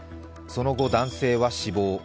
その後、男性は死亡。